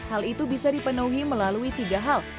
hal itu bisa dipenuhi melalui tiga hal